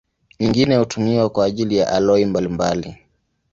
Nyingine hutumiwa kwa ajili ya aloi mbalimbali.